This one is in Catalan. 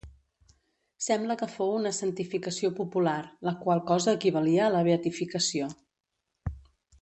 Sembla que fou una santificació popular, la qual cosa equivalia a la beatificació.